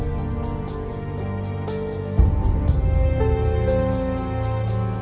โปรดติดตามต่อไป